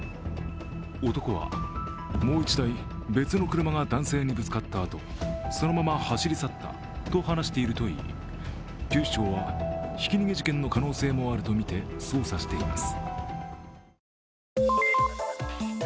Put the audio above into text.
男は、もう１台、別の車が男性にぶつかったあとそのまま走り去ったと話しているといい警視庁はひき逃げ事件の可能性もあるとみて捜査しています。